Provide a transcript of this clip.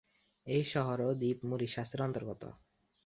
এই শহর ও দ্বীপ মরিশাসের অন্তর্গত।